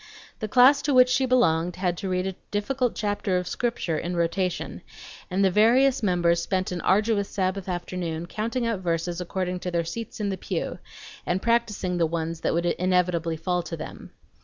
The class to which she belonged had to read a difficult chapter of Scripture in rotation, and the various members spent an arduous Sabbath afternoon counting out verses according to their seats in the pew, and practicing the ones that would inevitably fall to them.